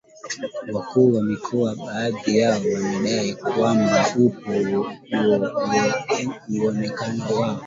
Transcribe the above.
wakuu wa mikoa baadhi yao wanadai kwamba upo uwezekano wa